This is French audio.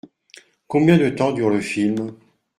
Combien de temps dure le film ?